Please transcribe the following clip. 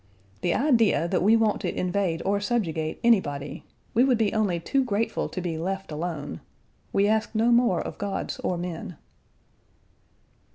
The idea that we want to invade or subjugate anybody; we would be only too grateful to be left alone. We ask no more of gods or men.